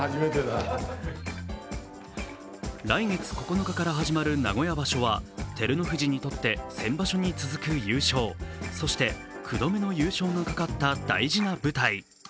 来月９日から始まる名古屋場所は照ノ富士にとって先場所に続く優勝、そして９度目の優勝がかかった大事な舞台。